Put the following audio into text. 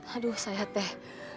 aduh saya teh